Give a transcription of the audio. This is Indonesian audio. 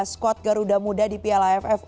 skuad garuda muda di piala aff